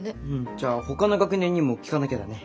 じゃあほかの学年にも聞かなきゃだね。